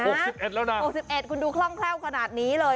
สิบเอ็ดแล้วนะหกสิบเอ็ดคุณดูคล่องแคล่วขนาดนี้เลย